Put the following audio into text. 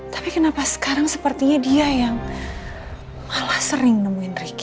tapi kenapa sekarang sepertinya dia yang malah sering nemuin ricky